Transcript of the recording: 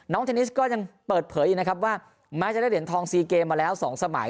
เทนนิสก็ยังเปิดเผยอีกนะครับว่าแม้จะได้เหรียญทองซีเกมมาแล้ว๒สมัย